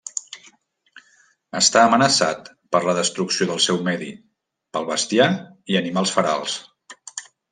Està amenaçat per la destrucció del seu medi pel bestiar i animals ferals.